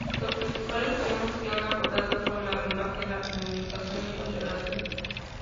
Los principales temas que ha abordado son la imagen, la comunicación y las relaciones.